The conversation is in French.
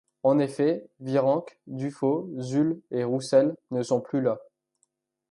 En effet, Virenque, Dufaux, Zulle et Roussel ne sont plus là.